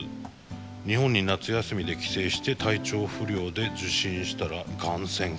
日本に夏休みで帰省して体調不良で受診したらガン宣告。